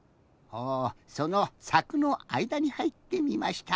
ほうそのさくのあいだにはいってみました。